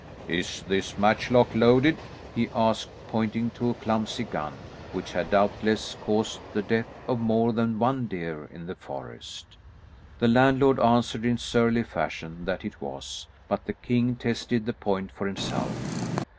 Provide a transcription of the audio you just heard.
"Is this matchlock loaded?" he asked, pointing to a clumsy gun, which had doubtless caused the death of more than one deer in the forest. The landlord answered in surly fashion that it was, but the king tested the point for himself.